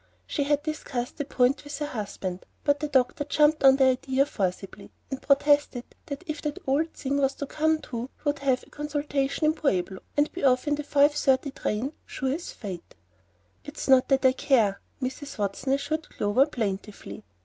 She had discussed the point with her husband, but the doctor "jumped on" the idea forcibly, and protested that if that old thing was to come too, he would "have a consultation in Pueblo, and be off in the five thirty train, sure as fate." "It's not that I care," Mrs. Watson assured Clover plaintively.